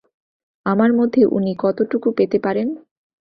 আামার মধ্যে উনি কতটুকু পেতে পারেন?